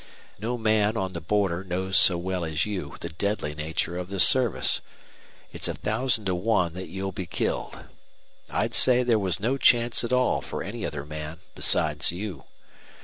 "No man on the border knows so well as you the deadly nature of this service. It's a thousand to one that you'll be killed. I'd say there was no chance at all for any other man beside you.